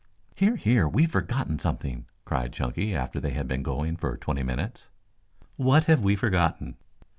"Here, here, we've forgotten something," cried Chunky after they had been going on for twenty minutes. "What have we forgotten?"